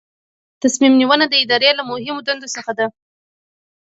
تصمیم نیونه د ادارې له مهمو دندو څخه ده.